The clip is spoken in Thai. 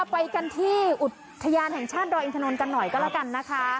ไปกันที่อุทยานแห่งชาติดอยอินทนนท์กันหน่อยก็แล้วกันนะคะ